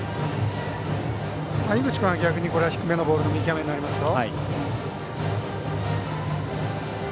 井口君は逆に低めのボールが見極めになりますよ。